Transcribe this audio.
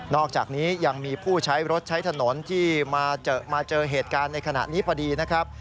อกจากนี้ยังมีผู้ใช้รถใช้ถนนที่มาเจอเหตุการณ์ในขณะนี้พอดีนะครับ